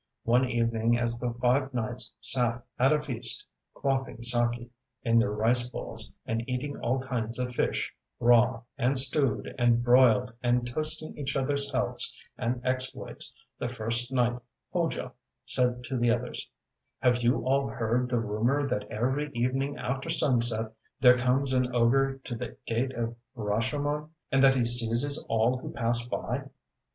One evening as the five knights sat at a feast quaffing SAKE in their rice bowls and eating all kinds of fish, raw, and stewed, and broiled, and toasting each otherŌĆÖs healths and exploits, the first knight, Hojo, said to the others: ŌĆ£Have you all heard the rumor that every evening after sunset there comes an ogre to the Gate of Rashomon, and that he seizes all who pass by?